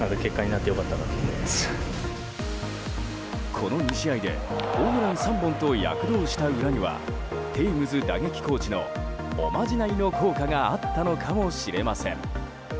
この２試合でホームラン３本と躍動した裏にはテームズ打撃コーチのおまじないの効果があったのかもしれません。